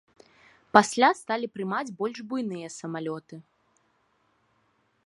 Пасля сталі прымаць больш буйныя самалёты.